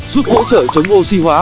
giúp hỗ trợ chống oxy hóa